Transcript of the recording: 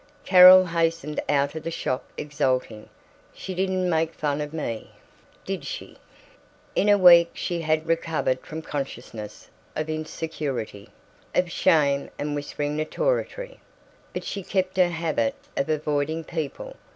Carol hastened out of the shop exulting, "She didn't make fun of me. ... Did she?" In a week she had recovered from consciousness of insecurity, of shame and whispering notoriety, but she kept her habit of avoiding people.